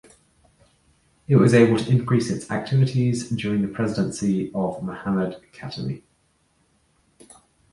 It was able to increase its activities during the presidency of Mohammad Khatami.